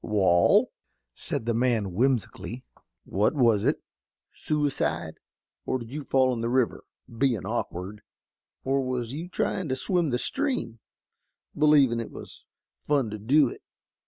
"Wa'al," said the man, whimsically. "What was it? Sooicide? Or did you fall in the river, bein' awkward? Or was you tryin' to swim the stream, believin' it was fun to do it?